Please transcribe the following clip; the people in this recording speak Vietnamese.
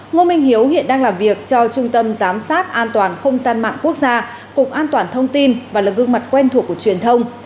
ngô minh hiếu hiện đang làm việc cho trung tâm giám sát an toàn không gian mạng quốc gia cục an toàn thông tin và là gương mặt quen thuộc của truyền thông